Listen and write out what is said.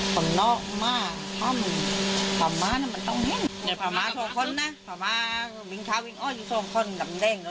แต่ไม่รู้ว่ามีผ่านอยู่ในตำรวจ